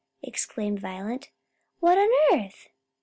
exclaimed Violet. "What on earth?"